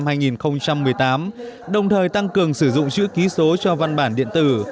tháng một mươi hai năm hai nghìn một mươi tám đồng thời tăng cường sử dụng chữ ký số cho văn bản điện tử